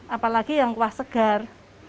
apalagi yang kuah segar